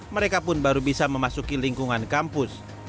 mereka pun baru bisa memasuki lingkungan kampus